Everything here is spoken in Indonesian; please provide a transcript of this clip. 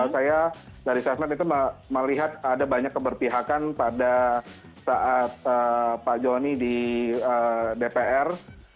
saya dari sesnet itu melihat ada banyak keberpihakan pada saat pak joni di dpr